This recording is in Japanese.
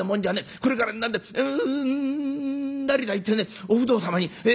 これから何だ成田行ってねお不動様に。